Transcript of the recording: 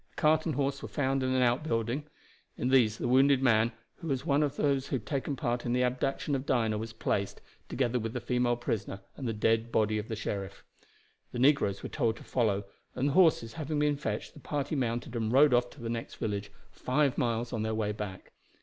A cart and horse were found in an out building; in these the wounded man, who was one of those who had taken part in the abduction of Dinah, was placed, together with the female prisoner and the dead body of the sheriff. The negroes were told to follow; and the horses having been fetched the party mounted and rode off to the next village, five miles on their way back.